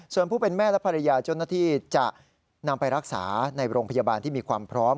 ส่วนผู้เป็นแม่และภรรยาเจ้าหน้าที่จะนำไปรักษาในโรงพยาบาลที่มีความพร้อม